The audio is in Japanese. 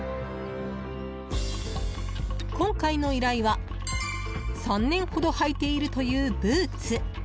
今回の依頼は３年ほど履いているというブーツ。